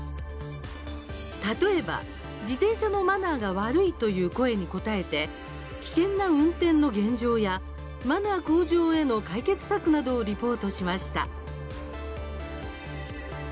例えば、自転車のマナーが悪いという声に応えて危険な運転の現状やマナー向上への解決策などをリポートしました。